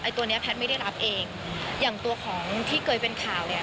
ตัวเนี้ยแพทย์ไม่ได้รับเองอย่างตัวของที่เคยเป็นข่าวเนี่ย